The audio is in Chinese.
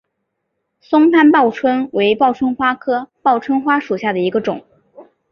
松潘报春为报春花科报春花属下的一个种。